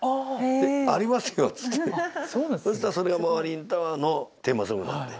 で「ありますよ！」っつってそしたらそれがマリンタワーのテーマソングになって。